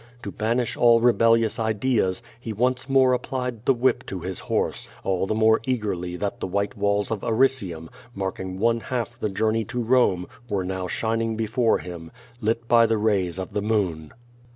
To banish all rebellious ideas, he once more applied the whip to his horse, all the mpre eagerly that the white walls of Aricium, marking one half the journey to Rome, ^vere now shining before Iiim, lit by the rays of the moon.